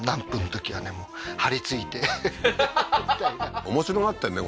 はっ面白がってんね